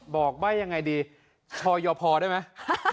บอกใบ้อย่างไรดีชอยพอได้ไหม